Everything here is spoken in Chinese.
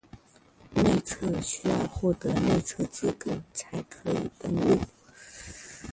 内测需要获得内测资格才可以登录